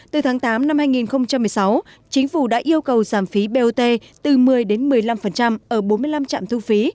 từ tháng tám năm hai nghìn một mươi sáu chính phủ đã yêu cầu giảm phí bot từ một mươi một mươi năm ở bốn mươi năm trạm thu phí